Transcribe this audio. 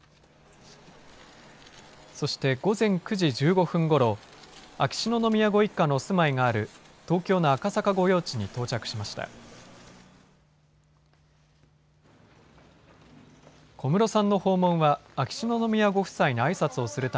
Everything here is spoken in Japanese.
そして午前９時１５分ごろ、秋篠宮ご一家のお住まいがある東京の赤坂御用地に到着しました。